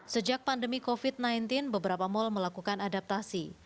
sejak pandemi covid sembilan belas beberapa mal melakukan adaptasi